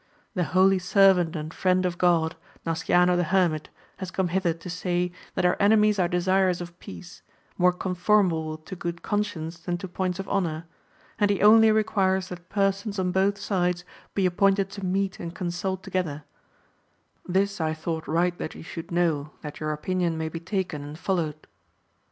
The holy servant and friend of God, Nasciano the hermit, has come hither to say, that our enemies are desirous of peace, more conformable to good conscience than to points of honour, and he only requires that persons on both sides be appointed to meet and consult together : this I thought right that you should know, that your opinion may be taken and followed.